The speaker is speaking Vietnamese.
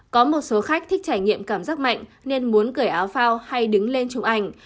có một số khách thích trải nghiệm cảm giác mạnh nên muốn cởi áo phao hay đứng lên chụp ảnh